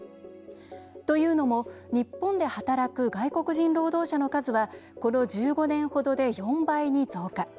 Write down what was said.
というのも日本で働く外国人労働者の数はこの１５年ほどで４倍に増加。